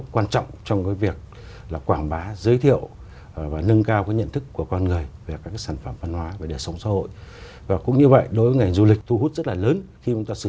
xin chào quý vị và các bạn ngay sau đây chúng ta sẽ cùng đến với một phóng sự